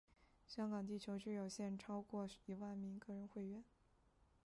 香港地球之友现有超过一万名个人会员。